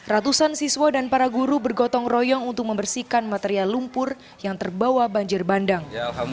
ratusan siswa dan para guru bergotong royong untuk membersihkan material lumpur yang terbawa banjir bandang